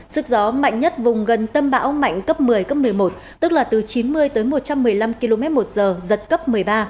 sức gió mạnh nhất vùng gần tâm bão mạnh cấp một mươi cấp một mươi một tức là từ chín mươi tới một trăm một mươi năm km một giờ giật cấp một mươi ba